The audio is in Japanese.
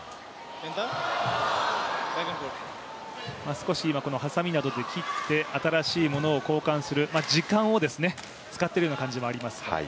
少し、はさみなどで切って新しいものを交換する時間を使っているような感じもあります。